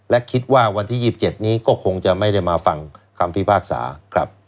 และคิดว่าวันที่๒๗นี้ก็คงจะไม่ได้มาฟังคำพิพากษาครับ